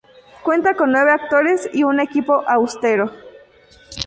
Cuenta con nueve actores y un equipo austero.